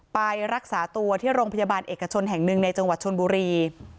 ไปรักษาตัวที่โรงพยาบาลเอกชนแห่งหนึ่งในจังหวัดชนบุรี